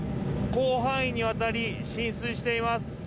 広範囲にわたり、浸水しています。